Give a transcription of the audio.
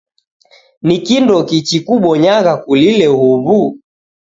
Ni kindoki chikubonyagha kulile huwu?